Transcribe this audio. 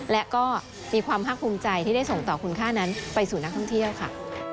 และก็มีความภาคภูมิใจที่ได้ส่งต่อคุณค่านั้นไปสู่นักท่องเที่ยวค่ะ